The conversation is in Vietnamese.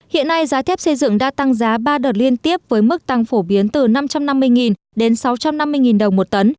hiện nay giá thép xây dựng đã tăng giá ba đợt liên tiếp với mức tăng phổ biến từ năm trăm năm mươi đến sáu trăm năm mươi đồng một tấn